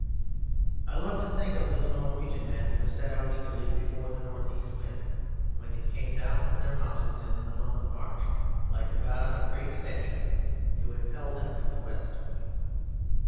I love to think of those Norwegian men who set out eagerly before the north east wind when it came down from their mountains in the month of March like a god of great stature to impel them to the West.